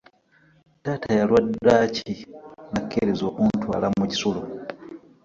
Taata yalwa ddaaki nakkiriza okuntwala mu kisulo.